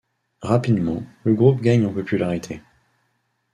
Rapidement, le groupe gagne en popularité.